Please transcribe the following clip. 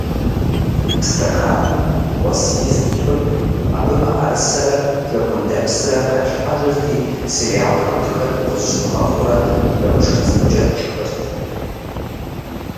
Стэканым уэс из тщӏырт, абы мыӏэрысэрэ жэгундэпсрэ хэтлъхьэжырти, сериалхэм дыхэту къызыщыдгъэхъуурэ бжэмышх цӏыкӏукӏэ тшхырт.